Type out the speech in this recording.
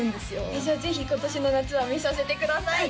えっじゃあぜひ今年の夏は見させてください